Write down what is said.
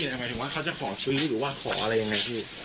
ได้หรือว่าขออะไรยังไงสิ